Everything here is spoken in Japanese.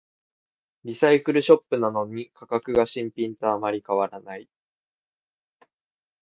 リサイクルショップなのに価格が新品とあまり変わらない